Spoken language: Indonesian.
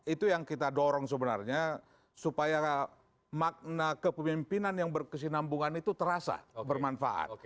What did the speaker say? itu yang kita dorong sebenarnya supaya makna kepemimpinan yang berkesinambungan itu terasa bermanfaat